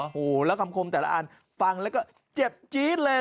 โอ้โหแล้วคำคมแต่ละอันฟังแล้วก็เจ็บจี๊ดเลย